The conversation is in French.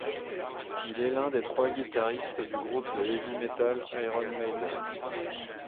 Il est l'un des trois guitaristes du groupe de heavy metal Iron Maiden.